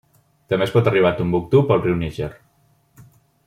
També es pot arribar a Tombouctou pel riu Níger.